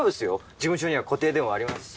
事務所には固定電話ありますし。